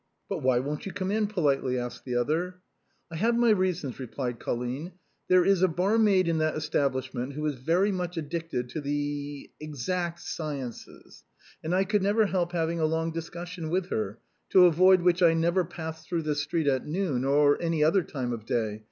" But why won't you come in ?" politely insisted the other. " I have my reasons," replied Colline ;'^ there is a bar maid in that establishment who is very much addicted to the exact sciences, and I could not help having a long dis cussion with her, to avoid which I never pass through this street at noon, or any other time of day.